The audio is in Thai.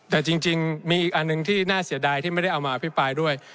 แต่จริงมีอีกอันหนึ่งที่น่าเสียดายที่ไม่ได้เอามาอภิปรายด้วย